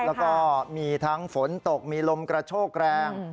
แล้วก็มีทั้งฝนตกมีลมกระโชกแรง